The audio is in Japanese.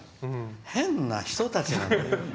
変な人たちなんだよ。